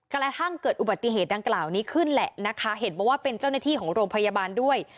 กระทั่งเกิดอุบัติเหตุดังกล่าวนี้ขึ้นแหละนะคะเห็นบอกว่าเป็นเจ้าหน้าที่ของโรงพยาบาลด้วย